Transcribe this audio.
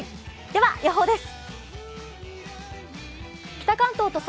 では予報です。